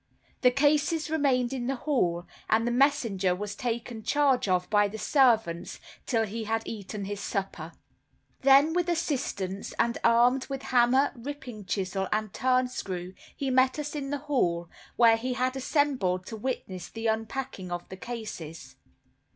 The cases remained in the hall, and the messenger was taken charge of by the servants till he had eaten his supper. Then with assistants, and armed with hammer, ripping chisel, and turnscrew, he met us in the hall, where we had assembled to witness the unpacking of the cases.